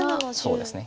そうですね。